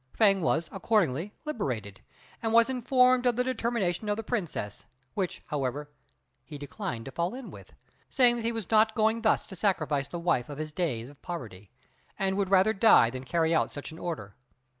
Fêng was accordingly liberated, and was informed of the determination of the Princess, which, however, he declined to fall in with, saying that he was not going thus to sacrifice the wife of his days of poverty, and would rather die than carry out such an order.